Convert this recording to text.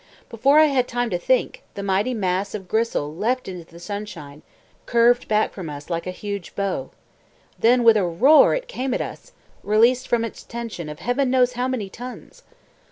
Before I had time to think, the mighty mass of gristle leaped into the sunshine, curved back from us like a huge bow. Then with a roar it came at us, released from its tension of Heaven knows how many tons.